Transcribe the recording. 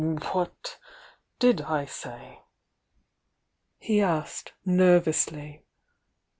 "What did I say?" he asked, nervously.